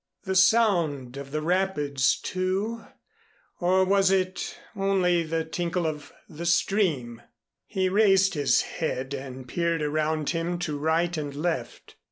The sound of the rapids, too, or was it only the tinkle of the stream? He raised his head and peered around him to right and left.